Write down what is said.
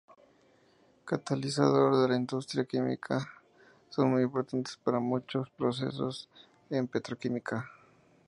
Catalizador en la industria química: son muy importantes para muchos procesos en petroquímica.